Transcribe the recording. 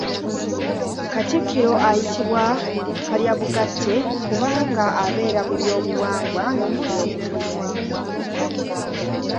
Katikkiro ayitibwa Kalyabugatte kubanga abeera mu by'obuwangwa ne mu by'obufuzi.